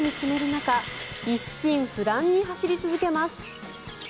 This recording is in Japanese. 中一心不乱に走り続けます。